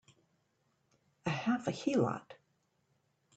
A half a heelot!